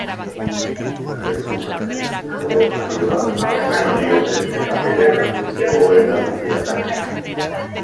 Garezurrean odoljarioa antzeman diote eta bere egoera larria da.